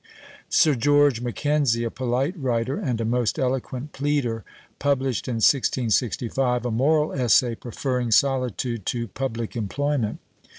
Sir George Mackenzie, a polite writer, and a most eloquent pleader, published, in 1665, a moral essay, preferring Solitude to public employment.